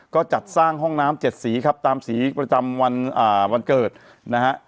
ก็จัดสร้างห้องน้ำ๗สีครับตามสีประจำวันวันเกิดนะฮะ